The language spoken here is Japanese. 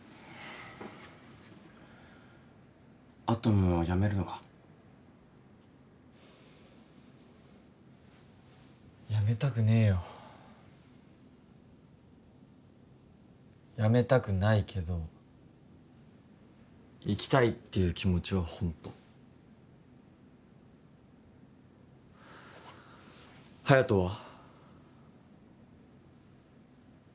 アトムを辞めるのか辞めたくねえよ辞めたくないけど行きたいっていう気持ちはホント隼人は？